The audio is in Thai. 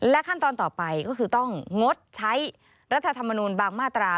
ขั้นตอนต่อไปก็คือต้องงดใช้รัฐธรรมนูลบางมาตรา